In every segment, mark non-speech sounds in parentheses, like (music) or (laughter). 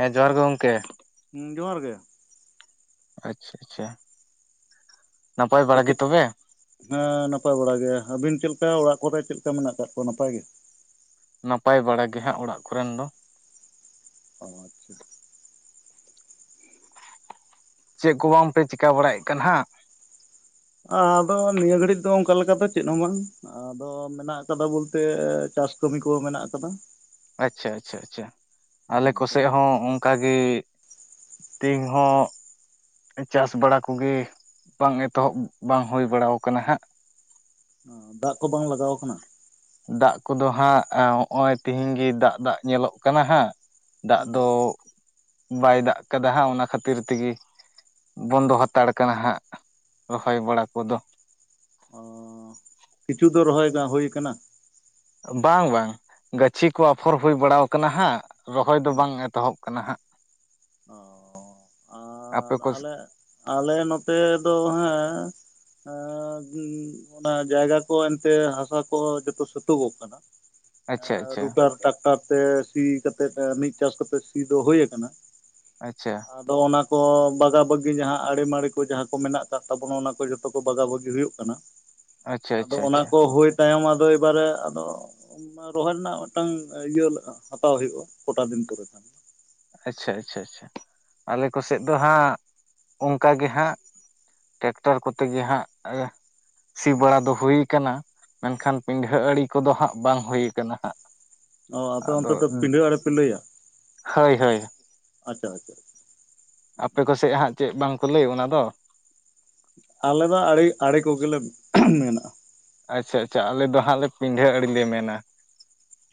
ᱦᱮᱸ ᱡᱚᱦᱟᱨ ᱜᱮ ᱜᱚᱢᱠᱮ ᱾ ᱡᱚᱦᱟᱨ ᱜᱮ ᱾ ᱟᱪᱪᱷᱟ ᱟᱪᱪᱷᱟ ᱾ (unintelligible) ᱦᱮᱸ ᱱᱟᱯᱟᱭ ᱵᱟᱲᱟ ᱜᱮᱭᱟ ᱟᱹᱵᱤᱱ ᱪᱮᱫ ᱞᱮᱠᱟ ᱚᱲᱟᱜ ᱠᱚᱨᱮ ᱪᱮᱫ ᱞᱮᱠᱟ ᱢᱮᱱᱟᱜ ᱟᱠᱟᱫ ᱠᱚᱣᱟ ᱱᱟᱯᱟᱭ ᱜᱮ? ᱱᱟᱯᱟᱭ ᱵᱟᱲᱟ ᱜᱮ ᱦᱟᱸᱜ ᱚᱲᱟᱜ ᱠᱚ ᱨᱮᱱ ᱫᱚ ᱾ ᱚ ᱟᱪᱪᱷᱟ ᱾ ᱪᱮᱫ ᱠᱚ ᱵᱟᱝ ᱯᱮ ᱪᱮᱠᱟ ᱵᱟᱲᱟᱭᱮᱫ ᱠᱟᱱ ᱦᱟᱸᱜ? ᱟᱫᱚ ᱱᱤᱭᱟᱹ ᱜᱷᱟᱹᱲᱤᱡ ᱫᱚ ᱚᱱᱠᱟ ᱞᱮᱠᱟ ᱫᱚ ᱪᱮᱫ ᱦᱚᱸ ᱵᱟᱝ ᱾ ᱟᱫᱚ ᱢᱮᱱᱟᱜ ᱟᱠᱟᱫᱟ ᱵᱚᱞᱛᱮ ᱪᱟᱥ ᱠᱟᱹᱢᱤ ᱠᱚᱦᱚᱸ ᱢᱮᱱᱟᱜ ᱟᱠᱟᱫᱟ ᱾ ᱟᱪᱪᱷᱟ ᱟᱪᱪᱷᱟ ᱟᱪᱷᱟ ᱦᱮᱸ ᱟᱞᱮ ᱠᱚ ᱥᱮᱫ ᱦᱚᱸ ᱚᱱᱠᱟ ᱜᱤ ᱼᱼ ᱛᱤᱦᱤᱧ ᱦᱚᱸ ᱼᱼ ᱪᱟᱥ ᱵᱟᱲᱟ ᱠᱩ ᱜᱮ ᱵᱟᱝ ᱮᱛᱚᱦᱚᱵ ᱵᱟᱝ ᱦᱩᱭ ᱵᱟᱲᱟ ᱟᱠᱟᱱᱟ ᱦᱟᱸᱜ ᱾ ᱫᱟᱜ ᱠᱚ ᱵᱟᱝ ᱞᱟᱜᱟᱣ ᱟᱠᱟᱱᱟ? ᱫᱟᱜ ᱠᱚᱫᱚ ᱦᱟᱸᱜ ᱦᱚᱸᱜᱼᱚᱭ ᱛᱤᱦᱤᱧ ᱜᱤ ᱫᱟᱜ ᱫᱟᱜ ᱧᱮᱞᱚᱜ ᱠᱟᱱᱟ ᱦᱟᱸᱜ ᱾ ᱫᱟᱜ ᱦᱮᱸ ᱫᱚ ᱵᱟᱭ ᱫᱟᱜ ᱠᱟᱫᱟ ᱦᱟᱸᱜ ᱚᱱᱟ ᱠᱷᱟᱹᱛᱤᱨ ᱛᱤᱜᱤ ᱾ ᱵᱚᱱᱫᱚ ᱦᱟᱛᱟᱲ ᱠᱟᱱᱟ ᱦᱟᱸᱜ ᱨᱚᱦᱚᱭ ᱵᱟᱲᱟ ᱠᱚ ᱫᱚ ᱾ ᱚ ᱠᱤᱪᱷᱩ ᱫᱚ ᱨᱚᱦᱚᱭ ᱵᱟᱝ ᱦᱩᱭ ᱠᱟᱱᱟ? ᱵᱟᱝ ᱵᱟᱝ ᱜᱟᱹᱪᱷᱤ ᱠᱚ ᱟᱯᱷᱚᱨ ᱦᱩᱭ ᱵᱟᱲᱟ ᱟᱠᱟᱱᱟ ᱦᱟᱸᱜ ᱾ ᱨᱚᱦᱚᱭ ᱫᱚ ᱵᱟᱝ ᱮᱛᱚᱦᱚᱵ ᱠᱟᱱᱟ ᱦᱟᱸᱜ ᱚ ᱟᱯᱮ ᱟᱨ ᱠᱚ ᱼᱼ ᱟᱞᱮ ᱟᱞᱮ ᱱᱚᱛᱮ ᱫᱚ ᱦᱮᱸᱼᱼ ᱚᱱᱟ ᱡᱟᱭᱜᱟ ᱠᱚ ᱮᱱᱛᱮ ᱦᱟᱥᱟ ᱠᱚ ᱡᱚᱛᱚ ᱥᱟᱹᱛᱩᱳᱜᱚᱜ ᱠᱟᱱᱟ ᱟᱪᱪᱷᱟ ᱟᱪᱪᱷᱟ ᱨᱩᱴᱟᱨ ᱴᱟᱠᱴᱟᱨ ᱛᱮ ᱥᱤ ᱠᱟᱛᱮᱜ ᱢᱤᱫ ᱪᱟᱥ ᱠᱟᱛᱮᱜ ᱥᱤ ᱫᱚ ᱦᱩᱭ ᱟᱠᱟᱱᱟ ᱟᱪᱪᱷᱟ ᱟᱫᱚ ᱚᱱᱟ ᱠᱚ ᱵᱟᱜᱟ ᱵᱟᱹᱜᱤ ᱡᱟᱦᱟᱸ ᱟᱲᱮᱢᱟᱲᱤ ᱠᱚ ᱡᱟᱦᱟᱸ ᱠᱚ ᱢᱮᱱᱟᱜ ᱟᱠᱟᱫ ᱛᱟᱵᱚᱱᱟ ᱚᱱᱟ ᱠᱚ ᱡᱚᱛᱚ ᱠᱚ ᱵᱟᱜᱟ ᱵᱟᱹᱜᱤ ᱦᱩᱭᱩᱜ ᱠᱟᱱᱟ᱾ ᱟᱪᱪᱷᱟ ᱟᱪᱪᱷᱟ ᱟᱫᱚ ᱚᱱᱟ ᱟᱪᱪᱷᱟ ᱠᱚ ᱦᱩᱭ ᱛᱟᱭᱚᱢ ᱟᱫᱚ ᱮᱵᱟᱨᱮ ᱟᱫᱚ ᱨᱚᱦᱚᱭ ᱨᱮᱱᱟᱜ ᱢᱤᱫᱴᱟᱝ ᱤᱭᱟᱹ ᱦᱟᱛᱟᱣ ᱦᱩᱭᱩᱜᱼᱟ ᱠᱚᱴᱟ ᱫᱤᱱ ᱯᱚᱨᱮ ᱛ ᱫᱚ ᱟᱪᱪᱷᱟ ᱟᱪᱪᱷᱟ ᱟᱪᱷᱟ ᱟᱞᱮ ᱠᱚᱥᱮᱫ ᱫᱚ ᱦᱟᱸᱜ ᱚᱱᱠᱟ ᱜᱮ ᱦᱟᱸᱜ ᱴᱮᱠᱴᱟᱨ ᱠᱚᱛᱮ ᱜᱮ ᱦᱟᱸᱜ ᱥᱤ ᱵᱟᱲᱟ ᱫᱚ ᱦᱩᱭ ᱠᱟᱱᱟ ᱢᱮᱱᱠᱷᱟᱱ ᱯᱤᱸᱰᱷᱟᱹ ᱟᱲᱤ ᱠᱚᱫᱚ ᱦᱟᱸᱜ ᱵᱟᱝ ᱦᱩᱭᱩ ᱠᱟᱱᱟ ᱦᱟᱸᱜ ᱚ ᱟᱯᱮ ᱚᱱᱛᱮ ᱟᱫᱚ ᱫᱚ ᱯᱤᱰᱷᱟᱹ ᱟᱲᱮ ᱯᱮ ᱞᱟᱹᱭᱟ? ᱦᱳᱭ ᱦᱳᱭ ᱟᱪᱪᱷᱟ ᱟᱪᱪᱷᱟ ᱟᱯᱮ ᱠᱚᱥᱮᱫ ᱦᱟᱸᱜ ᱪᱮᱫ ᱵᱟᱝᱠᱚ ᱞᱟᱹᱭ ᱚᱱᱟ ᱫᱚ ᱟᱞᱮᱫᱚ ᱟᱹᱲᱮ ᱟᱲᱮ ᱠᱚᱜᱮᱞᱮ ᱢᱮᱱᱟᱜᱼᱟ ᱟᱪᱪᱷᱟ ᱟᱪᱪᱷᱟ ᱟᱞᱮ ᱫᱚ ᱦᱟᱸᱜ ᱞᱮ ᱯᱤᱰᱷᱟᱹ ᱟᱲᱮ ᱢᱮᱱᱟ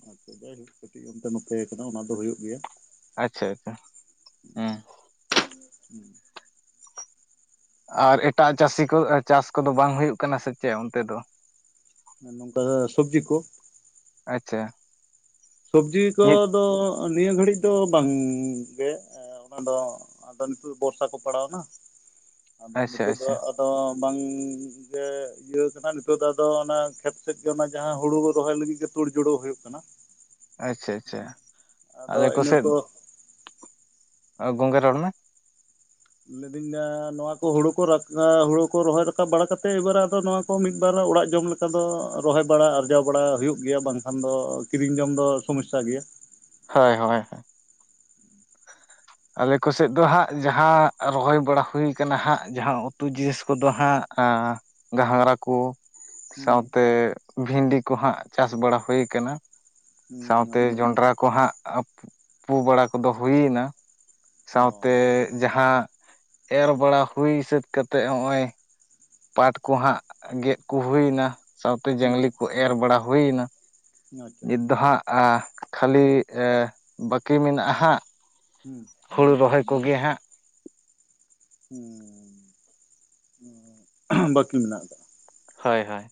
ᱟᱪᱪᱷᱟ ᱡᱟᱭᱦᱳᱠᱟᱴᱤᱡ ᱚᱱᱛᱮ ᱱᱚᱛᱮ ᱠᱟᱱᱟ ᱚᱱᱟ ᱫᱚ ᱦᱳᱭ ᱜᱮᱭᱟ ᱟᱪᱪᱷᱟ ᱟᱪᱪᱷᱟ ᱦᱮᱸ ᱦᱩᱸ ᱟᱨ ᱮᱴᱟᱜ ᱪᱟᱹᱥᱤ ᱠᱚ ᱪᱟᱥ ᱠᱚᱫᱚ ᱵᱟᱝ ᱦᱩᱭᱩᱜ ᱠᱟᱱᱟ ᱥᱮ ᱪᱮᱫ ᱚᱱᱛᱮ ᱫᱚ ᱱᱚᱝᱠᱟ ᱥᱚᱵᱽᱡᱤ ᱠᱚ ᱟᱪᱪᱷᱟ ᱥᱚᱵᱡᱤ ᱱᱤᱛ ᱠᱚᱫᱚ ᱱᱤᱭᱟᱹ ᱜᱷᱟᱹᱲᱤᱡ ᱫᱚ ᱵᱟᱝᱜᱮ ᱚᱱᱟ ᱫᱚ ᱟᱫᱚ ᱱᱤᱛᱳᱜ ᱵᱚᱨᱥᱟ ᱠᱚ ᱯᱟᱲᱟᱣᱱᱟ ᱟᱫᱚ ᱟᱪᱪᱷᱟ ᱱᱤᱛᱳᱜ ᱫᱚ ᱟᱪᱪᱷᱟ ᱛᱚ ᱵᱟᱝ ᱡᱮ ᱤᱭᱟᱹ ᱠᱟᱱᱟ ᱱᱤᱛᱚᱜ ᱫᱚ ᱟᱫᱚ ᱚᱱᱟ ᱠᱷᱮᱛ ᱥᱮᱫ ᱜᱮ ᱚᱱᱟ ᱡᱟᱦᱟᱸ ᱦᱩᱲᱩ ᱨᱚᱦᱚᱭ ᱞᱟᱹᱜᱤᱫ ᱜᱮ ᱛᱩᱲ ᱡᱩᱲᱟᱹᱣ ᱦᱩᱭᱩᱜ ᱠᱟᱱᱟ ᱟᱪᱪᱷᱟ ᱟᱪᱪᱷᱟ ᱟᱫᱚ ᱟᱞᱮ ᱤᱱᱟᱹ ᱠᱚᱥᱮᱫ ᱠᱚ ᱜᱚᱝᱜᱟ ᱮ ᱨᱚᱲ ᱢᱮ ᱞᱟᱹᱭᱫᱟᱹᱧ ᱢᱮ ᱱᱚᱣᱟ ᱠᱚ ᱦᱩᱲᱩ ᱠᱚ ᱨᱟ ᱦᱩᱲᱩ ᱠᱚ ᱨᱚᱦᱚᱭ ᱨᱟᱠᱟᱵ ᱵᱟᱲᱟ ᱠᱟᱛᱮᱫ ᱮᱵᱟᱨ ᱟᱫᱚ ᱱᱚᱣᱟ ᱢᱤᱫ ᱵᱟᱨ ᱚᱲᱟᱜ ᱡᱚᱢ ᱞᱮᱠᱟ ᱫᱚ ᱨᱚᱦᱚᱭ ᱵᱟᱲᱟ ᱟᱨᱡᱟᱣ ᱵᱟᱲᱟ ᱦᱩᱭᱩᱜ ᱜᱮᱭᱟ ᱵᱟᱝᱠᱷᱟᱱ ᱫᱚ ᱠᱤᱨᱤᱧ ᱡᱚᱢ ᱫᱚ ᱥᱚᱢᱚᱥᱥᱟ ᱜᱮᱭᱟ ᱦᱳᱭ ᱦᱳᱭ ᱟᱞᱮ ᱠᱚᱥᱮᱫ ᱫᱚ ᱦᱟᱸᱜ ᱡᱟᱦᱟᱸ ᱨᱚᱦᱚᱭ ᱵᱟᱲᱟ ᱦᱩ ᱠᱟᱱᱟ ᱦᱟᱸᱜ ᱡᱟᱦᱟᱸ ᱩᱛᱩ ᱡᱤᱱᱤᱥ ᱠᱚᱫᱚ ᱦᱟᱸᱜ ᱜᱷᱟᱸᱝᱨᱟ ᱠᱚ ᱦᱩᱸ ᱥᱟᱶᱛᱮ ᱵᱷᱤᱱᱰᱤ ᱠᱚᱦᱟᱸᱜ ᱪᱟᱥ ᱵᱟᱲᱟ ᱦᱩᱭ ᱠᱟᱱᱟ ᱦᱩᱸ ᱥᱟᱶᱛᱮ ᱟᱪᱪᱷᱟ ᱡᱚᱸᱰᱨᱟ ᱠᱚᱦᱟᱸᱜ ᱯᱩ ᱵᱟᱲᱟ ᱠᱚᱫᱚ ᱦᱩᱭᱮᱱᱟ ᱚ ᱥᱟᱶᱛᱮ ᱡᱟᱦᱟᱸ ᱮᱨ ᱵᱟᱲᱟ ᱦᱩᱭ ᱥᱟᱹᱛ ᱠᱟᱛᱮᱫ ᱦᱚᱜᱼᱚᱭ ᱯᱟᱴ ᱠᱚᱦᱟᱸᱜ ᱜᱮᱫ ᱠᱩ ᱦᱩᱭᱮᱱᱟ ᱥᱟᱶᱛᱮ ᱡᱟᱝᱞᱤ ᱠᱚ ᱦᱩᱸ ᱮᱨ ᱵᱟᱲᱟ ᱦᱩᱭᱮᱱᱟ ᱟᱪᱪᱷᱟ ᱱᱤᱛ ᱫᱚ ᱦᱟᱸᱜ ᱠᱷᱟᱹᱞᱤ ᱵᱟᱹᱠᱤ ᱢᱮᱱᱟᱜᱼᱟ ᱦᱟᱸᱜ ᱦᱩᱸ ᱦᱩᱲᱩ ᱨᱚᱦᱚᱭ ᱠᱚᱜᱮ ᱦᱟᱸᱜ ᱦᱸ ᱵᱟᱹᱠᱤ ᱢᱮᱱᱟᱜ ᱟᱠᱟᱫᱟ ᱦᱳᱭ ᱦᱳᱭ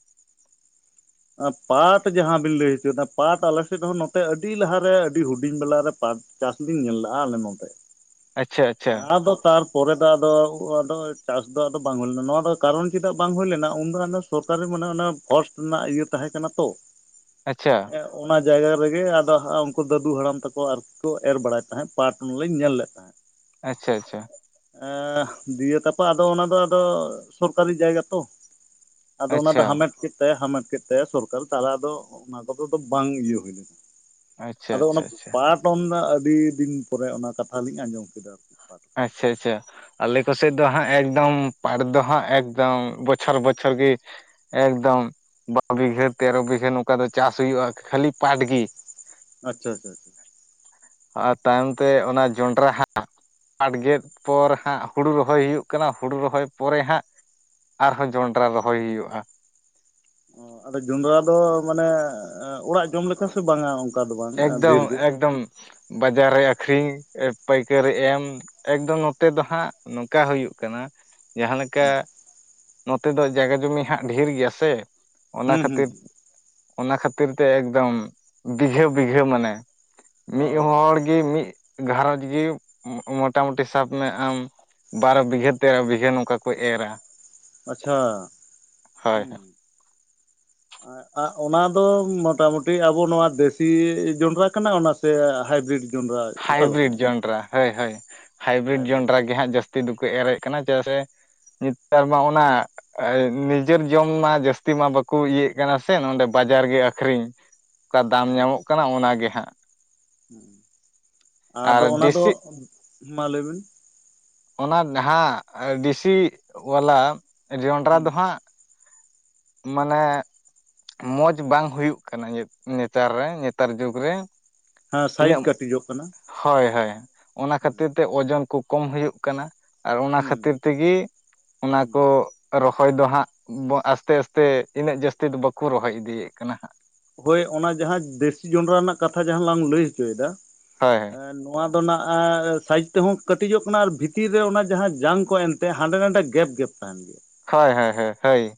ᱯᱟᱴ ᱡᱟᱦᱟᱸ ᱵᱤᱱ ᱞᱟᱹᱭ ᱦᱚᱪᱚᱭᱮᱫᱱᱟ ᱯᱟᱴ ᱟᱞᱮᱥᱮᱫ ᱨᱮᱦᱚᱸ ᱱᱚᱛᱮ ᱟᱹᱰᱤ ᱞᱟᱦᱟᱨᱮ ᱟᱹᱰᱤ ᱦᱩᱰᱤᱧ ᱵᱮᱞᱟᱨᱮ ᱯᱟᱴ ᱪᱟᱥᱵᱤᱱ ᱧᱮᱞ ᱞᱮᱫᱼᱟ ᱟᱞᱮ ᱱᱚᱛᱮ ᱟᱪᱪᱷᱟ ᱟᱪᱪᱷᱟ ᱟᱫᱚ ᱛᱟᱨᱯᱚᱨᱮ ᱫᱚ ᱟᱫᱚ ᱟᱫᱚ ᱪᱟᱥ ᱫᱚ ᱟᱫᱚ ᱵᱟᱝ ᱦᱩᱭ ᱞᱮᱱᱟ ᱱᱚᱣᱟ ᱫᱚ ᱠᱟᱨᱚᱱ ᱪᱮᱫᱟᱜ ᱵᱟᱝ ᱦᱩᱭ ᱞᱮᱱᱟ ᱩᱱᱫᱚ ᱟᱫᱚ ᱥᱚᱨᱠᱟᱨᱤ ᱢᱟᱱᱮ ᱚᱱᱟ ᱯᱷᱚᱨᱥᱴ ᱨᱮᱱᱟᱜ ᱤᱭᱟᱹ ᱛᱟᱦᱮᱸ ᱠᱟᱱᱟ ᱛᱚ ᱟᱪᱪᱷᱟ ᱚᱱᱟ ᱡᱟᱭᱜᱟ ᱨᱮᱜᱮ ᱟᱫᱚ ᱩᱱᱠᱩ ᱫᱟᱹᱫᱩ ᱦᱟᱲᱟᱢ ᱛᱟᱠᱚ ᱟᱨ ᱠᱚ ᱮᱨ ᱵᱟᱲᱟᱭ ᱛᱟᱦᱮᱸᱜ ᱯᱟᱴ ᱚᱱᱟ ᱞᱤᱧ ᱧᱮᱞ ᱞᱮᱫ ᱛᱟᱦᱮᱸᱫ ᱟᱪᱪᱷᱟ ᱟᱪᱪᱷᱟ ᱮ ᱫᱤᱭᱮ ᱛᱟᱯᱚᱨ ᱟᱫᱚ ᱚᱱᱟ ᱫᱚ ᱟᱫᱚ ᱥᱚᱨᱠᱟᱨᱤ ᱡᱟᱭᱜᱟ ᱛᱚ ᱟᱫᱚ ᱚᱱᱟ ᱫᱚ ᱟᱪᱪᱷᱟ ᱦᱟᱢᱮᱴ ᱠᱮᱫ (unintelligible) ᱦᱟᱢᱮᱴ ᱠᱮᱫ ᱛᱟᱭᱟ ᱥᱚᱨᱠᱟᱨ ᱛᱟᱦᱮ ᱟᱫᱚ ᱚᱱᱟ ᱠᱚᱫᱚ ᱫᱚ ᱵᱟᱝ ᱤᱭᱟᱹ ᱦᱩᱭ ᱞᱮᱱᱟ ᱟᱪᱪᱷᱟ ᱟᱫᱚ ᱚᱱᱟ ᱟᱪᱪᱷᱟ ᱟᱪᱪᱷᱟ ᱯᱟᱴ (unintelligible) ᱟᱹᱰᱤ ᱫᱤᱱ ᱯᱚᱨᱮ ᱚᱱᱟ ᱠᱟᱛᱷᱟ ᱞᱤᱧ ᱟᱸᱡᱚᱢ ᱠᱮᱫᱟ᱾ ᱯᱟᱴ ᱠᱟᱛᱷᱟ᱾ ᱟᱪᱪᱷᱟ ᱟᱪᱪᱷᱟ᱾ ᱟᱞᱮ ᱠᱚᱥᱮᱫ ᱫᱚ ᱦᱟᱸᱜ ᱮᱠᱫᱚᱢ ᱯᱟᱴ ᱫᱚ ᱦᱟᱸᱜ ᱮᱠᱫᱚᱢ ᱵᱚᱪᱷᱚᱨ ᱵᱚᱪᱷᱚᱨ ᱜᱮ ᱮᱠᱫᱚᱢ ᱵᱟᱨ ᱵᱤᱜᱷᱟᱹ ᱛᱮᱨᱚ ᱵᱤᱜᱷᱟᱹ ᱱᱚᱝᱠᱟ ᱫᱚ ᱪᱟᱥ ᱦᱩᱭᱩᱜᱼᱟ ᱠᱷᱟᱹᱞᱤ ᱯᱟᱴ ᱜᱤ᱾ ᱟᱪᱪᱷᱟ ᱟᱪᱪᱷᱟ᱾ ᱟᱨ ᱛᱟᱭᱚᱢ ᱛᱮ ᱚᱱᱟ ᱡᱚᱸᱰᱽᱨᱟ ᱦᱟᱜ ᱯᱟᱴ ᱜᱮᱫ ᱯᱚᱨ ᱦᱟᱸᱜ ᱦᱩᱲᱩ ᱨᱚᱦᱚᱭ ᱦᱩᱭᱩᱜ ᱠᱟᱱᱟ ᱦᱩᱲᱩ ᱨᱚᱦᱚᱭ ᱯᱚᱨᱮ ᱦᱟᱸᱜ ᱟᱨᱦᱚᱸ ᱡᱚᱸᱰᱨᱟ ᱨᱚᱦᱚᱭ ᱦᱩᱭᱩᱜᱼᱟ᱾ ᱚ ᱟᱫᱚ ᱡᱚᱸᱰᱽᱨᱟ ᱫᱚ ᱢᱟᱱᱮ ᱚᱲᱟᱜ ᱡᱚᱢ ᱞᱮᱠᱟ ᱥᱮ ᱵᱟᱝᱟ? ᱫᱚ ᱵᱟᱝ ᱮᱠᱫᱚᱢ ᱰᱷᱮᱨ ᱜᱮ ᱮᱠᱫᱚᱢ ᱵᱟᱡᱟᱨ ᱨᱮ ᱟᱠᱷᱨᱤᱧ ᱯᱟᱹᱭᱠᱟᱹᱨᱤ ᱮᱢ ᱮᱠᱫᱚᱢ ᱱᱚᱛᱮ ᱫᱚ ᱦᱟᱸᱜ ᱱᱚᱝ ᱠᱟ ᱦᱩᱭᱩᱜ ᱠᱟᱱᱟ ᱡᱟᱸᱦᱟ ᱞᱮᱠᱟ ᱱᱚ ᱛᱮ ᱫᱚ ᱡᱟᱭ ᱜᱟ ᱡᱚᱢᱤ ᱦᱟᱸᱜ ᱰᱷᱮᱨ ᱜᱮᱭᱟ ᱥᱮ ᱚᱱᱟ ᱦᱩᱸ ᱦᱩᱸ ᱠᱷᱟᱹᱛᱤᱨ ᱚᱱᱟ ᱠᱷᱟᱹᱛᱤᱨ ᱛᱮ ᱮᱠᱫᱚᱢ ᱵᱤᱜᱷᱟᱹ ᱵᱤᱜᱷᱟᱹ ᱢᱟᱱᱮ ᱚ ᱢᱤᱫ ᱦᱚᱲ ᱜᱮ ᱢᱤᱫ ᱜᱷᱟᱨᱚᱸᱡᱽ ᱜᱮ ᱢᱚᱴᱟᱢᱩᱴᱤ ᱥᱟᱵ ᱢᱮ ᱟᱢ᱾ ᱵᱟᱨᱚ ᱵᱤᱜᱷᱟᱹ ᱯᱮ ᱵᱤᱜᱷᱟᱹ ᱱᱚᱝ ᱠᱟ ᱠᱚ ᱮᱨᱟ ᱟᱪᱪᱷᱟ ᱦᱳᱭ ᱦᱳᱭ (unintelligible) ᱚᱱᱟ ᱫᱚ ᱢᱚᱴᱟ ᱢᱩᱴᱤ ᱟᱵᱚ ᱱᱚᱣᱟ ᱫᱮᱥᱤ ᱡᱚᱱᱰᱨᱟ ᱠᱟᱱᱟ ᱚᱱᱟ ᱥᱮ ᱦᱟᱭ ᱵᱤᱨᱤᱰ᱾ ᱦᱟᱭ ᱵᱤᱨᱤᱰ ᱡᱚᱱᱰᱨᱟ ᱦᱳᱭ ᱦᱳᱭ ᱦᱟᱭ ᱵᱤᱨᱤᱰ ᱦᱟᱭᱵᱨᱤᱰ ᱡᱚᱱᱰᱨᱟ ᱜᱮ ᱜᱮ ᱦᱟᱸᱜ ᱡᱟᱹᱥᱛᱤ ᱫᱚᱠᱚ ᱮᱨᱮᱫ ᱠᱟᱱᱟ ᱪᱮᱫᱟᱜ ᱥᱮ ᱱᱮᱛᱟᱨ ᱢᱟ ᱚᱱᱟ ᱱᱤᱡᱮᱨ ᱡᱚᱢ ᱢᱟ ᱡᱟᱹᱥᱛᱤ ᱢᱟ ᱵᱟᱠᱚ ᱤᱭᱮᱫ ᱠᱟᱱᱟ ᱥᱮ ᱱᱚᱸᱰᱮ ᱵᱟᱡᱟᱨ ᱜᱮ ᱟᱠᱷᱨᱤᱧ ᱚᱠᱟ ᱫᱟᱢ ᱧᱟᱢᱚᱜ ᱠᱟᱱᱟ ᱚᱱᱟᱜ ᱜᱮ ᱦᱟᱸᱜ ᱦᱮᱸ ᱟᱨ ᱟᱫᱚ ᱚᱱᱟ ᱫᱚ ᱫᱮᱥᱤ ᱢᱟ ᱞᱟᱹᱭᱵᱤᱱ᱾ ᱚᱱᱟ ᱡᱟᱦᱟᱸ ᱫᱮᱥᱤ ᱵᱟᱞᱟ ᱡᱚᱱᱰᱨᱟ ᱦᱩᱸ ᱫᱚ ᱦᱟᱸᱜ ᱢᱟᱱᱮ ᱢᱚᱸᱡᱽ ᱵᱟᱝ ᱦᱩᱭᱩᱜ ᱠᱟᱱᱟ ᱧᱮ ᱱᱮᱛᱟᱨ ᱨᱮ ᱱᱮᱛᱟᱨ ᱡᱩᱜᱽ ᱨᱮ᱾ ᱦᱮᱸ ᱥᱟᱭᱤᱡ ᱤᱱᱟᱹᱜ ᱠᱟᱹᱴᱤᱡ ᱚᱜ ᱠᱟᱱᱟ᱾ ᱦᱳᱭ ᱦᱳᱭ ᱚᱱᱟ ᱠᱷᱟᱹᱛᱤᱨ ᱛᱮ ᱳᱡᱚᱱ ᱠᱚ ᱠᱚᱢ ᱦᱩᱭᱩᱜ ᱠᱟᱱᱟ᱾ ᱟᱨ ᱚᱱᱟ ᱦᱩᱸ ᱠᱷᱟᱹᱛᱤᱨ ᱛᱮ ᱜᱮ ᱚᱱᱟ ᱠᱚ ᱨᱚᱦᱚᱭ ᱫᱚ ᱦᱟᱸᱜ ᱟᱥᱛᱮ ᱟᱥᱛᱮ ᱤᱱᱟᱹᱜ ᱡᱟᱹᱥᱛᱤ ᱫᱚ ᱵᱟ ᱠᱚ ᱨᱚᱦᱚᱭ ᱤᱫᱤᱭᱮᱫ ᱠᱟᱱᱟ ᱦᱟᱸᱜ ᱾ ᱦᱳᱭ ᱚᱱᱟ ᱡᱟᱦᱟᱸ ᱫᱮᱥᱤ ᱡᱚᱸᱰᱨᱟ ᱨᱮᱱᱟᱜ ᱠᱟᱛᱷᱟ ᱡᱟᱦᱟᱸ ᱞᱟᱝ ᱞᱟᱹᱭ ᱦᱚᱪᱚ ᱭᱮᱫᱟ ᱦᱮ ᱦᱮ ᱱᱚᱣᱟ ᱫᱚ ᱥᱟᱭᱤᱡ ᱛᱮᱦᱚᱸ ᱠᱟᱹᱴᱤᱡᱚᱜ ᱠᱟᱱᱟ ᱟᱨ ᱵᱷᱤᱛᱤᱨ ᱨᱮ ᱚᱱᱟ ᱡᱟᱦᱟᱸ ᱡᱟᱝ ᱠᱚ ᱮᱱᱛᱮ ᱦᱟᱸᱰᱮ ᱱᱟᱰᱮ ᱜᱮᱯ ᱜᱮᱯ ᱛᱟᱦᱮᱸᱱ ᱜᱮᱭᱟ ᱾ ᱦᱳᱭ ᱦᱳᱭ ᱦᱳ ᱦᱳᱭ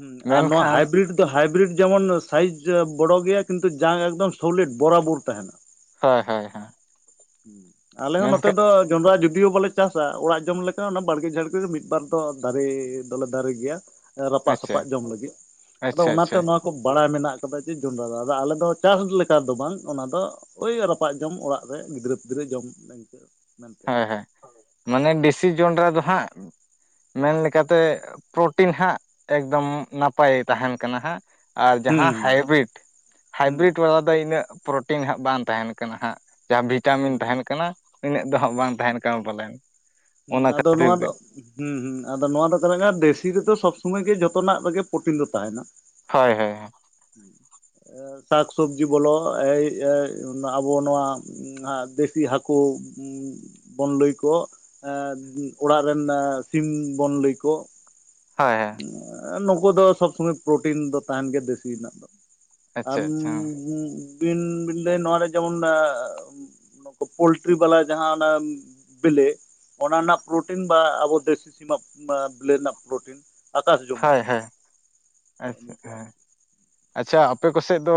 ᱦᱩ ᱟᱨ ᱱᱚᱣᱟ ᱢᱮᱱᱠᱷᱟᱱ ᱦᱟᱭ ᱵᱤᱨᱤᱰ ᱠᱤᱱᱛᱩ ᱦᱟᱭ ᱵᱤᱨᱤᱰ ᱡᱮᱢᱚᱱ ᱥᱟᱭᱤᱡ ᱵᱚᱲᱚ ᱜᱮᱭᱟ ᱠᱤᱱᱛᱩ ᱡᱟᱝ ᱮᱠᱫᱚᱢ ᱥᱚᱞᱮᱴ ᱵᱚᱨᱟᱵᱚᱨ ᱛᱟᱦᱮᱸᱱᱟ ᱾ ᱦᱳᱭ ᱦᱳᱭ ᱾ ᱟᱞᱮ ᱦᱚᱸ ᱱᱚ ᱛᱮ ᱫᱚ ᱡᱚᱸᱰᱨᱟ ᱡᱩᱫᱤᱭᱳ ᱵᱟᱞᱮ ᱪᱟᱥᱟ ᱚᱲᱟᱜ ᱡᱚᱢ ᱞᱮᱠᱟ ᱚᱱᱟ ᱵᱟᱲᱜᱮ ᱡᱷᱟᱲᱜᱮ ᱨᱮ ᱢᱤᱫ ᱵᱟᱨ ᱫᱚ ᱫᱟᱨᱮ ᱫᱚᱞᱮ ᱫᱟᱨᱮ ᱜᱮᱭᱟ ᱾ ᱨᱟᱯᱟᱜ ᱟᱪᱪᱷᱟ ᱥᱟᱯᱟᱜ ᱡᱚᱢ ᱞᱟᱹᱜᱤᱫ ᱟᱫᱚ ᱟᱪᱪᱷᱟ ᱚᱱᱟ ᱛᱮ ᱟᱪᱪᱷᱟ ᱵᱟᱲᱟᱭ ᱢᱮᱱᱟᱜ ᱠᱟᱫᱟ ᱡᱮ ᱡᱚᱸᱰᱨᱟ ᱟᱞᱮ ᱫᱚ ᱪᱟᱥ ᱞᱮᱠᱟ ᱫᱚ ᱵᱟᱝ ᱚᱱᱟ ᱫᱚ ᱳᱭ ᱨᱟᱯᱟᱜ ᱡᱚᱢ ᱚᱲᱟᱜ ᱨᱮ ᱜᱤᱫᱽᱨᱟᱹ ᱯᱤᱫᱽᱨᱟᱹ ᱡᱚᱢ (inaudible) ᱱᱚᱝᱠᱟ ᱢᱮᱱᱛᱮ ᱟᱨᱠᱤ (inaudible) ᱦᱮᱸ ᱢᱟᱱᱮ ᱵᱮᱥᱤ ᱡᱚᱱᱰᱨᱟ ᱫᱚ ᱦᱟᱸᱜ ᱢᱮᱱ ᱞᱮᱠᱟ ᱛᱮ ᱯᱨᱳᱚᱴᱤᱱ ᱦᱟᱸᱜ ᱮᱠᱫᱚᱢ ᱱᱟᱯᱟᱭ ᱛᱟᱦᱮᱸᱱ ᱠᱟᱱᱟ ᱦᱟᱸᱜ ᱾ ᱟᱨ ᱡᱟᱦᱟᱸ ᱦᱩᱸ ᱦᱟᱭ ᱵᱤᱨᱤᱴ ᱦᱟᱭ ᱦᱩᱸ ᱵᱤᱨᱤᱴ ᱵᱟᱞᱟ ᱫᱚ ᱤᱱᱟᱹᱜ ᱯᱨᱚᱴᱤᱱ ᱦᱟᱸᱜ ᱵᱟᱝ ᱛᱟᱦᱮᱸᱱ ᱠᱟᱱᱟ ᱦᱟᱸᱜ᱾ ᱡᱟᱦᱟᱸ ᱵᱷᱤᱴᱟ ᱢᱤᱱ ᱛᱟᱦᱮᱸᱱ ᱦᱩᱸ ᱠᱟᱱᱟ ᱩᱱᱟᱹᱜ ᱫᱚ ᱦᱟᱸᱜ ᱵᱟᱝ ᱛᱟᱦᱮᱸᱱ ᱠᱟᱱᱟ ᱯᱟᱞᱮᱱ᱾ ᱦᱮᱸ ᱚᱱᱟ ᱟᱫᱚ ᱠᱷᱟᱹᱛᱤᱨ ᱱᱚᱣᱟ ᱫᱚ ᱜᱮ ᱦᱮᱸ ᱟᱫᱚ ᱱᱚᱣᱟ ᱫᱚ ᱛᱟᱦᱮᱸ ᱠᱷᱟᱱ ᱫᱮ ᱥᱤ ᱨᱮ ᱫᱚ ᱥᱚᱵᱽ ᱥᱚᱢᱚᱭ ᱜᱮ ᱡᱷᱚᱛᱚ ᱱᱟᱜ ᱨᱮᱜᱮ ᱯᱨᱳᱚᱴᱤᱱ ᱫᱚ ᱛᱟᱦᱮᱸᱱᱟ᱾ ᱦᱳᱭ ᱦᱳᱭ ᱾ ᱥᱟᱠ ᱥᱚᱵᱡᱤ ᱠᱚ ᱞᱚ ᱮᱭ ᱟᱵᱚ ᱱᱚᱣᱟ ᱦ ᱫᱮᱥᱤ ᱦᱟᱹᱠᱩ (inaudible) ᱵᱚᱱᱞᱟᱹᱭ (unintelligible) ᱠᱚ ᱮ ᱚᱲᱟᱜ ᱨᱮᱱ ᱥᱤᱢ ᱵᱚᱱ ᱞᱟᱹᱭ ᱠᱚ᱾ ᱦᱮ ᱦᱮ ᱱᱩᱠᱩ ᱫᱚ ᱥᱚᱵᱽ ᱥᱚᱢᱚᱭ ᱯᱨᱚᱴᱤᱱ ᱫᱚ ᱛᱟᱦᱮᱱ ᱜᱮᱭᱟ ᱫᱮᱥᱤ ᱨᱮᱱᱟᱜ ᱫᱚ ᱟ ᱟᱪᱪᱷᱟ ᱟᱪᱪᱷᱟ ᱵᱤᱱ (unintelligible) ᱞᱟᱹᱭ ᱱᱚᱣᱟᱨᱮ ᱡᱮᱢᱚᱱ ᱯᱳᱞᱴᱨᱤ ᱵᱟᱞᱟ ᱡᱟᱦᱟᱸ ᱚᱱᱟᱼᱼ ᱵᱮᱞᱮ ᱚᱱᱟ ᱨᱮᱱᱟᱜ ᱯᱨᱳᱴᱤᱱ ᱵᱟ ᱟᱵᱚ ᱫᱮᱥᱤ ᱥᱤᱢᱟᱜ ᱵᱮᱞᱮ ᱨᱮᱱᱟᱜ ᱯᱨᱳᱴᱤᱱ, ᱟᱠᱟᱥ ᱡᱚᱢᱤᱱ ᱦᱳᱭ ᱦᱳᱭ, ᱟᱪᱪᱷᱟ ᱦᱮᱸ ᱟᱪᱪᱷᱟ ᱟᱯᱮ ᱠᱚᱥᱮᱜ ᱫᱚ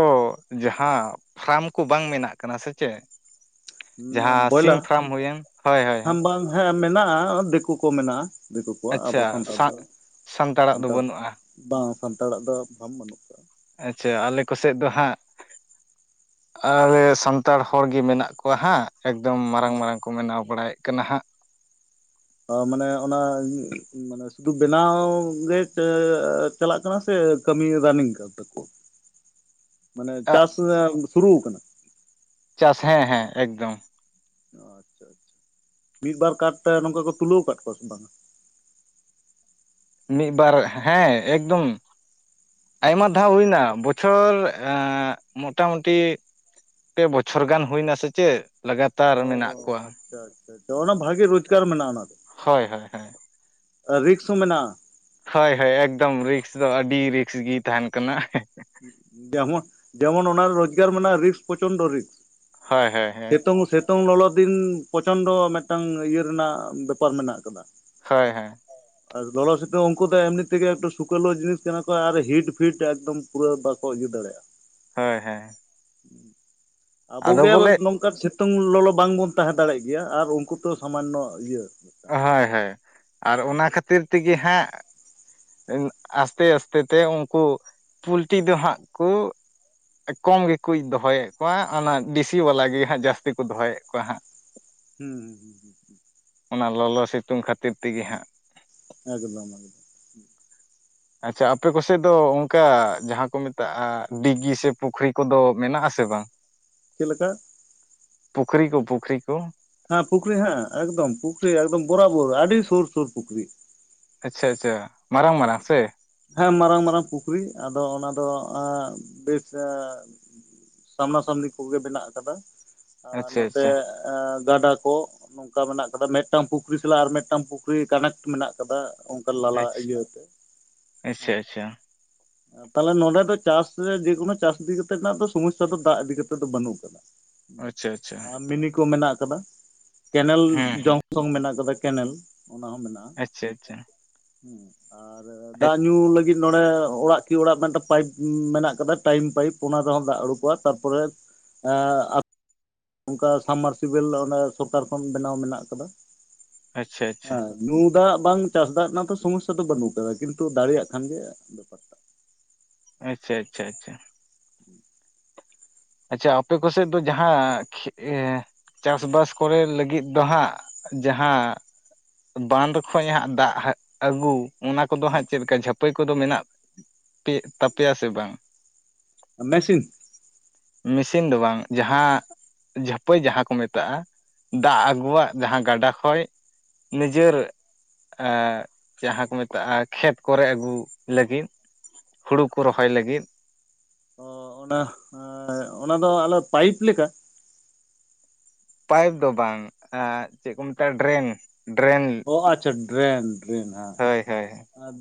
ᱡᱟᱦᱟᱸᱼᱼ ᱯᱷᱨᱟᱢ ᱠᱚ ᱵᱟᱝ ᱵᱮᱱᱟᱜ ᱠᱟᱱᱟ ᱥᱮ ᱪᱮᱫ ᱱᱚᱣᱟ ᱡᱟᱦᱟᱸ ᱥᱤᱢ ᱵᱚᱭᱞᱟᱨ ᱯᱷᱨᱟᱢ ᱦᱩᱭᱮᱱ, ᱦᱳᱭ ᱦᱳᱭ᱾ ᱦᱮᱸ ᱵᱟᱝ ᱦᱮᱸ ᱢᱮᱱᱟᱜᱼᱟ᱾ ᱫᱤᱠᱩ ᱠᱚ ᱢᱮᱱᱟᱜᱼᱟ ᱫᱤᱠᱩ ᱠᱚᱣᱟᱜ ᱟᱵᱚ ᱟᱪᱪᱷᱟ ᱥᱟᱱᱛᱟᱲ ᱥᱟᱜ ᱫᱚ ᱥᱟᱱᱛᱟᱲᱟᱜ ᱫᱚ ᱥᱟᱱᱛᱟᱲ ᱵᱟᱹᱱᱩᱜᱼᱟ ᱵᱟᱝ-ᱟ ᱥᱟᱱᱛᱟᱲ ᱟᱜ ᱫᱚ ᱯᱷᱨᱟᱢ ᱵᱟᱹᱱᱩᱜ ᱟᱠᱟᱫᱟᱼᱟ᱾ ᱟᱪᱪᱷᱟ ᱟᱞᱮ ᱠᱚᱱᱥᱮᱫ ᱫᱚ ᱦᱟᱸᱜ ᱟᱨ ᱥᱟᱱᱛᱟᱲ ᱦᱚᱲ ᱜᱮ ᱢᱮᱱᱟᱜ ᱠᱚᱣᱟ ᱦᱟᱸᱜ ᱮᱠᱫᱚᱢ ᱢᱟᱨᱟᱝ ᱦᱮᱸ ᱢᱟᱨᱟᱝ ᱠᱚ ᱵᱮᱱᱟᱣ ᱵᱟᱲᱟᱭᱮᱫ ᱠᱟᱱᱟ ᱦᱟᱸᱜ (unintelligible) ᱢᱟᱱᱮ ᱚᱱᱟ ᱢᱟᱱᱮ ᱥᱩᱫᱩ ᱵᱮᱱᱟᱣ ᱜᱮ (unintelligible) ᱪᱟᱞᱟᱜ ᱠᱟᱱᱟ ᱥᱮ ᱠᱟᱹᱢᱤ ᱨᱟᱱᱤᱝ ᱠᱟᱱ ᱛᱟᱠᱚ ᱢᱟᱱᱮ ᱪᱟᱥ ᱥᱩᱨᱩ ᱠᱟᱱᱟ? ᱪᱟᱥ ᱦᱮᱸ ᱦᱮᱸ ᱮᱠᱫᱚᱢ᱾ ᱟᱪᱪᱷᱟ ᱟᱪᱪᱷᱟ᱾ᱢᱤᱫ ᱵᱟᱨ ᱠᱟᱨᱛᱮ ᱱᱚᱝᱠᱟ ᱠᱚ ᱛᱩᱞᱟᱹᱣ ᱟᱠᱟᱫ ᱠᱚᱣᱟ ᱥᱮ ᱵᱟᱝᱼᱟ? ᱢᱤᱫ ᱵᱟᱨ ᱦᱮᱸ ᱮᱠᱫᱚᱢ (unintelligible) ᱟᱭᱢᱟ ᱟᱪᱪᱷᱟ ᱟᱪᱪᱷᱟ ᱫᱷᱟᱣ ᱦᱩᱭᱱᱟ ᱵᱚᱪᱷᱚᱨ ᱵᱚᱪᱷᱚᱨ ᱢᱚᱴᱟᱢᱩᱴᱤ ᱯᱮ ᱵᱚᱪᱷᱚᱨ ᱜᱟᱱ ᱦᱩᱭᱱᱟ ᱥᱮ ᱪᱮᱫ ᱞᱟᱜᱟᱛᱟᱨ ᱚ ᱢᱮᱱᱟᱜ ᱠᱚᱣᱟ ᱟᱪᱪᱷᱟ ᱟᱪᱪᱷᱟ ᱚᱱᱟ ᱵᱷᱟᱜᱤ ᱨᱳᱡᱽᱜᱟᱨ ᱢᱮᱱᱟᱜᱼᱟ ᱚᱱᱟ ᱫᱚ᱾ ᱦᱳᱭ ᱦᱳᱭ ᱦᱳᱭ᱾ ᱨᱤᱠᱥ ᱦᱚᱸ ᱢᱮᱱᱟᱜᱼᱟ᱾ ᱦᱳᱭ ᱦᱳᱭ ᱮᱠᱫᱚᱢ ᱨᱤᱠᱥ ᱫᱚ ᱟᱹᱰᱤ ᱨᱤᱠᱥ ᱜᱮ ᱛᱟᱦᱮᱱ ᱠᱟᱱᱟ᱾ ᱡᱮᱢᱚᱱ ᱡᱮᱢᱚᱱ ᱚᱱᱟ ᱨᱳᱡᱽᱜᱟᱨ ᱢᱮᱱᱟᱜᱼᱟ ᱨᱤᱠᱥ ᱯᱨᱚᱪᱚᱱᱰᱚ ᱨᱤᱠᱥ ᱦᱳᱭ ᱦᱳᱭ ᱦᱳᱭ ᱥᱤᱛᱩᱝ (unintelligible) ᱥᱤᱛᱚᱝ ᱞᱚᱞᱚ ᱫᱤᱱ ᱯᱨᱚᱪᱚᱱᱰᱚ ᱢᱤᱫᱴᱟᱝ ᱤᱭᱟᱹ ᱨᱮᱱᱟᱜ ᱵᱮᱯᱟᱨ ᱢᱮᱱᱟᱜ ᱟᱠᱟᱫᱟ᱾ ᱦᱳᱭ ᱦᱳᱭ᱾ ᱟᱨ ᱞᱚᱞᱚ ᱱᱤᱛᱚᱝ ᱩᱱᱠᱩ ᱫᱚ ᱮᱢᱱᱤ ᱛᱮᱜᱮ ᱥᱩᱠᱞ ᱡᱤᱱᱤᱥ ᱠᱟᱱᱟ ᱠᱚ ᱟᱨ ᱦᱤᱴ ᱯᱷᱤᱴ ᱮᱠᱫᱚᱢ ᱯᱩᱨᱟᱹ ᱵᱟᱠᱚ ᱤᱭᱟᱹ ᱫᱟᱲᱮᱭᱟᱜᱼᱟ᱾ ᱦᱳᱭ ᱦᱳᱭ᱾ (unintelligible) ᱟᱫᱚ ᱟᱵᱚᱜᱮ ᱵᱚᱞᱮ (unintelligible) ᱱᱚᱝᱠᱟᱱ ᱥᱤᱛᱩᱝ ᱞᱚᱞᱚ ᱵᱟᱝᱵᱚᱱ ᱛᱟᱦᱮᱸ ᱫᱟᱲᱮᱭᱟᱜ ᱜᱮᱭᱟ ᱟᱨ ᱩᱱᱠᱩ ᱛᱚ ᱥᱟᱢᱟᱱᱚ ᱤᱭᱟᱹ ᱦᱳᱭ ᱦᱳᱭ ᱟᱨ ᱚᱱᱟ ᱠᱷᱟᱹᱛᱤᱨ ᱛᱮᱜᱮ ᱦᱟᱸᱜ ᱟᱥᱛᱮ ᱟᱥᱛᱮ ᱛᱮ ᱩᱱᱠᱩ ᱯᱩᱞᱴᱤ ᱫᱚ ᱦᱟᱸᱜ ᱠᱩ ᱠᱚᱢ ᱜᱮᱠᱚ ᱫᱚᱦᱚᱭᱮᱫ ᱠᱚᱣᱟ ᱚᱱᱟ ᱫᱤᱥᱤ ᱵᱟᱞᱟ ᱜᱮ ᱦᱟᱸᱜ ᱡᱟᱹᱥᱛᱤ ᱠᱚ ᱫᱚᱦᱚᱭᱮᱫ ᱠᱚᱣᱟ ᱦᱟᱸᱜ᱾ ᱦᱩᱸ ᱦᱩᱸ ᱦᱩᱸ ᱦᱩᱸ ᱦᱩᱸ᱾ ᱚᱱᱟ ᱞᱚᱞᱚ ᱥᱤᱛᱩᱝ ᱠᱷᱟᱹᱛᱤᱨ ᱛᱮᱜᱮ ᱦᱟᱸᱜ᱾ ᱮᱠᱫᱚᱢ ᱮᱠᱫᱚᱢ᱾ ᱟᱪᱪᱷᱟ ᱟᱯᱮ ᱠᱚᱥᱮᱫ ᱫᱚ ᱚᱱᱠᱟ ᱡᱟᱦᱟᱸ ᱠᱚ ᱢᱮᱛᱟᱜᱼᱟ ᱰᱤᱜᱤ ᱥᱮ ᱯᱩᱠᱷᱨᱤ ᱠᱚᱫᱚ ᱢᱮᱱᱟᱜ ᱟᱥᱮ ᱵᱟᱝ? ᱪᱮᱫ ᱞᱮᱠᱟ? ᱯᱩᱠᱷᱨᱤ ᱠᱚ ᱯᱩᱠᱷᱨᱤ ᱠᱚ ᱦᱮᱸ ᱯᱩᱠᱷᱨᱤ ᱦᱮᱸ ᱮᱠᱫᱚᱢ ᱯᱩᱠᱷᱨᱤ ᱮᱠᱫᱚᱢ ᱵᱚᱨᱟᱵᱚᱨ ᱟᱹᱰᱤ ᱥᱩᱨ ᱥᱩᱨ ᱯᱩᱠᱷᱨᱤ᱾ ᱟᱪᱪᱷᱟ ᱟᱪᱪᱷᱟ ᱢᱟᱨᱟᱝ ᱢᱟᱨᱟᱝ ᱥᱮ ᱦᱮᱸ ᱢᱟᱨᱟᱝ ᱢᱟᱨᱟᱝ ᱯᱩᱠᱷᱨᱤ ᱟᱫᱚ ᱚᱱᱟ ᱫᱚ ᱵᱮᱥ ᱥᱟᱢᱱᱟ ᱥᱟᱢᱱᱤ ᱠᱚᱜᱮ ᱢᱮᱱᱟᱜ ᱟᱠᱟᱫᱟ ᱟᱨ ᱟᱪᱪᱷᱟ ᱱᱚᱛᱮ ᱟᱪᱪᱷᱟ ᱜᱟᱰᱟ ᱠᱚ ᱱᱚᱝᱠᱟ ᱢᱮᱱᱟᱜ ᱟᱠᱟᱫᱟ ᱢᱤᱫᱴᱟᱝ ᱯᱩᱠᱷᱨᱤ ᱥᱟᱞᱟᱜ ᱟᱨ ᱢᱤᱫᱴᱟᱝ ᱯᱩᱠᱷᱨᱤ ᱠᱟᱱᱮᱠᱴ ᱢᱮᱱᱟᱜ ᱟᱠᱟᱫᱟ ᱚᱱᱠᱟ ᱱᱟᱞᱟ ᱤᱭᱟᱹ ᱟᱪᱪᱷᱟ ᱟᱪᱪᱷᱟ᱾ (inaudible) ᱛᱟᱦᱚᱞᱮ ᱱᱚᱰᱮ ᱫᱚ ᱪᱟᱥ ᱨᱮ ᱡᱮᱠᱳᱱᱳ ᱪᱟᱥ ᱤᱫᱤ ᱠᱟᱛᱮᱜ ᱨᱮᱱᱟᱜ ᱫᱚ ᱥᱚᱢᱚᱥᱥᱟ ᱫᱚ ᱫᱟᱜ ᱤᱫᱤᱠᱟ ᱠᱟᱛᱮᱜ ᱫᱚ ᱵᱟᱹᱱᱩᱜ ᱟᱠᱟᱫᱟ᱾ ᱟᱪᱪᱷᱟ ᱟᱪᱪᱷᱟ ᱟᱨ ᱢᱤᱱᱤ ᱠᱚ ᱢᱮᱱᱟᱜ ᱟᱠᱟᱫᱟ, ᱠᱮᱱᱮᱞ ᱦᱮᱸ ᱦᱮᱸ ᱡᱚᱝ ᱥᱚᱝ ᱢᱮᱱᱟᱜ ᱠᱟᱫᱟ᱾ ᱠᱮᱱᱮᱞ ᱚᱱᱟ ᱦᱚᱸ ᱢᱮᱱᱟᱜᱼᱟ᱾ ᱟᱪᱪᱷᱟ ᱟᱪᱪᱷᱟ ᱟᱨ ᱟᱪᱪᱷᱟ ᱫᱟᱜ ᱧᱩ ᱞᱟᱹᱜᱤᱫ, ᱱᱚᱰᱮ ᱚᱲᱟᱜ ᱠᱤ ᱚᱲᱟᱜ ᱢᱤᱫᱴᱟᱝ ᱯᱟᱭᱤᱯ ᱢᱮᱱᱟᱜ ᱠᱟᱫᱟ᱾ ᱴᱟᱭᱤᱢ ᱯᱟᱭᱤᱯ ᱚᱱᱟ ᱨᱮᱦᱚᱸ ᱫᱟᱜ ᱩᱰᱩᱠᱚᱜᱼᱟ᱾ ᱛᱟᱯᱚᱨᱮ ᱮᱜ ᱟᱠ ᱱᱚᱱᱠᱟ ᱥᱟᱵᱢᱟᱨᱥᱤᱵᱮᱞ ᱚᱱᱟ ᱥᱚᱨᱠᱟᱨ ᱠᱷᱚᱱ ᱵᱮᱱᱟᱣ ᱢᱮᱱᱟᱜ ᱟᱠᱟᱫᱟ᱾ ᱟᱪᱪᱷᱟ ᱟᱪᱪᱷᱟ᱾ ᱧᱩ ᱫᱟᱜ ᱵᱟᱝ ᱪᱟᱥ ᱫᱟᱜ ᱨᱮᱱᱟᱜ ᱫᱚ ᱥᱚᱢᱚᱥᱥᱟ ᱫᱚ ᱵᱟᱹᱱᱩᱜ ᱟᱠᱟᱫᱟ᱾ ᱠᱤᱱᱛᱩ ᱫᱟᱲᱮᱭᱟᱜ ᱠᱷᱟᱱ ᱜᱮ ᱵᱮᱯᱟᱨ ᱴᱟᱜ᱾ ᱟᱪᱪᱷᱟ ᱟᱪᱪᱷᱟ ᱟᱪᱪᱷᱟ᱾ ᱦᱮᱸ᱾ ᱟᱪᱪᱷᱟ ᱟᱯᱮ ᱠᱚᱥᱮᱫ ᱫᱚ ᱡᱟᱦᱟᱸ ᱪᱟᱥ ᱵᱟᱥ ᱠᱚᱨᱮ ᱞᱟᱹᱜᱤᱫ ᱫᱚ ᱦᱟᱸᱜ ᱡᱟᱦᱟᱸ ᱵᱟᱸᱫᱷ ᱠᱷᱚᱡ ᱦᱟᱸᱜ ᱫᱟᱜ ᱟᱹᱜᱩ ᱚᱱᱟ ᱠᱚ ᱫᱚ ᱦᱟᱸᱜ ᱪᱮᱫ ᱠᱟ ᱡᱷᱟᱹᱯᱟᱹᱭ ᱠᱚ ᱫᱚ ᱢᱮᱱᱟᱜ ᱯᱮ ᱛᱟᱯᱮᱭᱟ ᱥᱮ ᱵᱟᱝ? ᱢᱮᱥᱤᱱ᱾ ᱢᱮᱥᱤᱱ ᱫᱚ ᱵᱟᱝ᱾ ᱡᱟᱦᱟᱸ ᱡᱷᱟᱹᱯᱟᱹᱭ ᱡᱟᱦᱟᱸ ᱠᱚ ᱢᱮᱛᱟᱜᱼᱟ᱾ ᱫᱟᱜ ᱟᱹᱜᱩᱣᱟᱜ ᱡᱟᱦᱟᱸ ᱜᱟᱰᱟ ᱠᱷᱚᱡ, ᱱᱤᱡᱮᱨ ᱮᱜ, ᱡᱟᱦᱟᱸ ᱠᱚ ᱢᱮᱛᱟᱜᱼᱟ ᱠᱷᱮᱛ ᱠᱚᱨᱮ ᱟᱹᱜᱩ ᱞᱟᱹᱜᱤᱫ᱾ ᱦᱩᱲᱩ ᱠᱚ ᱨᱚᱦᱚᱭ ᱞᱟᱹᱜᱤᱫ᱾ ᱚ, ᱚᱱᱟ, ᱚᱱᱟ ᱫᱚ ᱟᱞᱮ ᱯᱟᱭᱤᱯ ᱞᱮᱠᱟ ᱯᱟᱭᱤᱯ ᱫᱚ ᱵᱟᱝ ᱪᱮᱫ ᱠᱚ ᱢᱮᱛᱟᱜᱼᱟ ᱰᱨᱮᱱ, ᱰᱨᱮᱱ ᱚ ᱟᱪᱪᱷᱟ ᱰᱨᱮᱱ ᱰᱨᱮᱱ ᱦᱮᱸ᱾ ᱦᱳᱭ ᱦᱳᱭ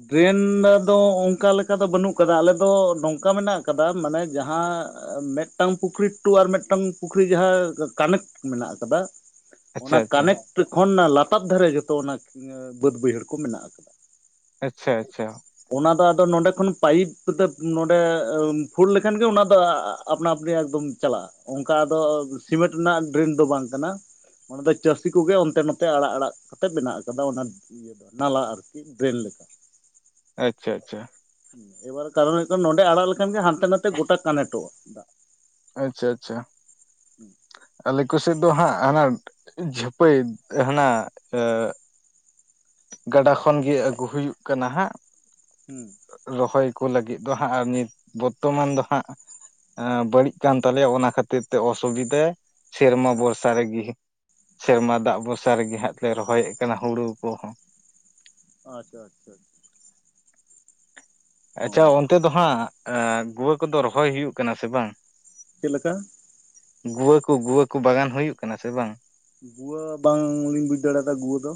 ᱰᱨᱮᱱ ᱫᱚ ᱚᱱᱠᱟ ᱞᱮᱠᱟ ᱫᱚ ᱵᱟᱹᱱᱩᱜ ᱟᱠᱟᱫᱟ᱾ ᱟᱞᱮ ᱫᱚ ᱱᱚᱝᱠᱟ ᱢᱮᱱᱟᱜ ᱟᱠᱟᱫᱟ᱾ ᱢᱟᱱᱮ ᱡᱟᱦᱟᱸ ᱢᱤᱫᱴᱟᱝ ᱯᱩᱠᱷᱨᱤ ᱴᱩ ᱟᱨ ᱢᱤᱫᱴᱟᱝ ᱯᱩᱠᱷᱨᱤ ᱡᱟᱦᱟᱸ ᱠᱟᱱᱮᱠᱴ ᱢᱮᱱᱟᱜ ᱟᱠᱟᱫᱟ᱾ ᱟᱪᱪᱷᱟ ᱚᱱᱟ ᱟᱪᱪᱷᱟ ᱠᱟᱱᱮᱠᱴ ᱠᱷᱚᱱ ᱞᱟᱛᱟᱨ ᱫᱷᱟᱨᱮ ᱡᱚᱛᱚ ᱚᱱᱟ ᱵᱟᱹᱫ ᱵᱟᱹᱭᱦᱟᱹᱲ ᱠᱚ ᱢᱮᱱᱟᱜ ᱟᱠᱟᱫᱟ᱾ ᱟᱪᱪᱷᱟ ᱟᱪᱪᱷᱟ᱾ ᱚᱱᱟ ᱫᱚ ᱟᱫᱚ ᱱᱚᱰᱮ ᱠᱷᱚᱱ ᱯᱟᱭᱤᱯ ᱠᱚᱛᱮ ᱱᱚᱰᱮ ᱯᱷᱩᱞ ᱞᱮᱠᱷᱟᱱ ᱜᱮ ᱚᱱᱟ ᱫᱚ ᱟᱯᱱᱟ ᱟᱯᱱᱤ ᱮᱠᱫᱚᱢ ᱪᱟᱞᱟᱜᱼᱟ᱾ ᱚᱱᱠᱟ ᱫᱚ ᱥᱤᱢᱮᱱᱴ ᱨᱮᱱᱟᱜ ᱰᱨᱮᱱ ᱫᱚ ᱵᱟᱝ ᱠᱟᱱᱟ᱾ ᱟᱫᱚ ᱪᱟᱹᱥᱤ ᱠᱚᱜᱮ ᱚᱱᱛᱮ ᱱᱚᱛᱮ ᱟᱲᱟᱜ ᱟᱲᱟᱜ ᱛᱮ ᱵᱮ ᱟᱠᱟᱫᱟ ᱚᱱᱟ ᱤᱭᱟᱹ ᱫᱚ ᱱᱟᱞᱟ ᱟᱨᱠᱤ ᱰᱨᱮᱱ ᱞᱮᱠᱟ ᱟᱪᱪᱷᱟ ᱟᱪᱪᱷᱟ᱾ ᱮᱵᱟᱨ ᱠᱟᱨᱚᱱ ᱦᱩᱭᱩᱜ ᱠᱟᱱᱟ ᱱᱚᱸᱰᱮ ᱟᱲᱟᱜ ᱞᱮᱠᱷᱟᱱ ᱜᱮ ᱦᱟᱱᱛᱮ ᱱᱟᱛᱮ ᱜᱚᱴᱟ ᱠᱟᱱᱮᱠᱴᱚᱜᱼᱟ᱾ ᱟᱪᱪᱷᱟ ᱟᱪᱪᱷᱟ᱾ ᱟᱞᱮ ᱠᱚ ᱥᱮᱫ ᱫᱚ ᱦᱟᱸᱜ ᱦᱟᱱᱟ ᱡᱷᱟᱹᱯᱟᱹᱭ ᱦᱟᱱᱟ ᱜᱟᱰᱟ ᱠᱷᱚᱱᱜᱮ ᱟᱹᱜᱩ ᱦᱩᱭᱩᱜ ᱠᱟᱱᱟ ᱦᱟᱸᱜ᱾ ᱦᱩᱸ᱾ ᱨᱚᱦᱚᱭ ᱠᱚ ᱞᱟᱹᱜᱤᱫ ᱫᱚ ᱦᱟᱸᱜ ᱟᱨ ᱱᱤᱛ ᱵᱚᱨᱛᱚᱢᱟᱱ ᱫᱚ ᱦᱟᱸᱜ ᱵᱟᱹᱲᱤᱡ ᱠᱟᱱ, ᱛᱟᱞᱮᱭᱟ ᱚᱱᱟ ᱠᱷᱟᱹᱛᱤᱨ ᱛᱮ ᱚᱥᱩᱵᱤᱫᱷᱟ ᱥᱮᱨᱢᱟ ᱵᱷᱚᱨᱥᱟ ᱨᱮ ᱜᱮ᱾ ᱥᱮᱨᱢᱟ ᱫᱟᱜ ᱵᱷᱚᱨᱥᱟ ᱨᱮᱜᱮ ᱦᱟᱸᱜ ᱞᱮ ᱨᱚᱦᱚᱭᱮᱫ ᱠᱟᱱᱟ ᱦᱩᱲᱩ ᱠᱚᱦᱚᱸ᱾ ᱟᱪᱪᱷᱟ ᱟᱪᱪᱷᱟ ᱟᱪᱷᱟ᱾ ᱚ ᱟᱪᱪᱷᱟ ᱚᱱᱛᱮ ᱫᱚ ᱦᱟᱸᱜ ᱜᱩᱣᱟᱹ ᱠᱚ ᱫᱚ ᱨᱚᱦᱚᱭ ᱦᱩᱭᱩᱜ ᱠᱟᱱᱟ ᱥᱮ ᱵᱟᱝ? ᱪᱮᱫ ᱞᱮᱠᱟ? ᱜᱩᱣᱟᱹ ᱠᱚ ᱜᱩᱣᱟᱹ ᱠᱚ ᱵᱟᱜᱟᱱ ᱦᱩᱭᱩᱜ ᱠᱟᱱᱟ ᱥᱮ ᱵᱟᱝ? ᱜᱩᱣᱟᱹ ᱵᱟᱝ ᱞᱤᱧ ᱵᱩᱡ ᱫᱟᱲᱮ ᱭᱟᱫᱟ ᱜᱩᱣᱟᱹ ᱫᱚ᱾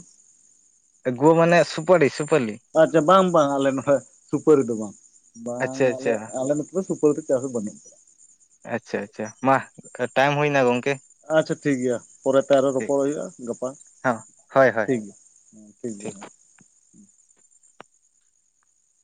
ᱜᱩ ᱢᱟᱱᱮ ᱥᱩᱯᱟᱨᱤ ᱥᱩᱯᱟᱹᱞᱤ᱾ ᱟᱪᱪᱷᱟ ᱵᱟᱝ ᱵᱟᱝ ᱟᱞᱮ ᱱᱚᱰᱮ ᱥᱩᱯᱟᱹᱨᱤ ᱫᱚ ᱵᱟᱝ, ᱵᱟᱝ ᱟᱪᱪᱷᱟ ᱟᱞᱮ, ᱟᱪᱪᱷᱟ ᱟᱞᱮ ᱥᱩᱯᱟᱹᱨᱤ ᱫᱚ ᱪᱟᱥ ᱫᱚ ᱵᱟᱹᱱᱩᱜᱼᱟ᱾ ᱟᱪᱪᱷᱟ ᱟᱪᱪᱷᱟ ᱢᱟ ᱴᱟᱭᱤᱢ ᱦᱩᱭᱱᱟ ᱜᱚᱝᱠᱮ᱾ ᱟᱪᱪᱷᱟ ᱴᱷᱤᱠ ᱜᱮᱭᱟ ᱯᱚᱨᱮ ᱛᱮ ᱟᱨᱦᱚᱸ ᱴᱷᱤᱠ ᱨᱚᱯᱚᱲ ᱦᱩᱭᱩᱜᱼᱟ ᱜᱟᱯᱟ᱾ ᱦᱚᱸ ᱦᱳᱭ ᱦᱳᱭ ᱴᱷᱤᱠ ᱜᱮᱭᱟ ᱦᱮ ᱴᱷᱤᱠ ᱜᱮᱭᱟ ᱦᱮᱸ